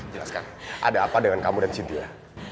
jelaskan ada apa dengan kamu dan cynthia